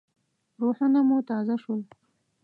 روحونه مو تازه شول.